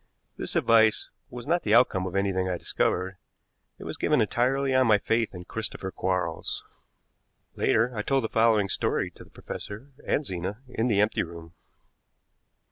This advice was not the outcome of anything I discovered; it was given entirely on my faith in Christopher Quarles. Later I told the following story to the professor and Zena in the empty room.